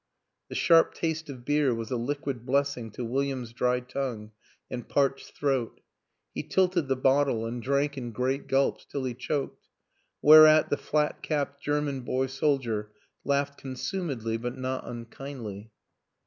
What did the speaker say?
The sharp taste of beer was a liquid blessing to William's dry tongue and parched throat; he tilted the bottle and drank in great gulps till he choked; whereat the flat capped German boy soldier laughed consumedly but not unkindly.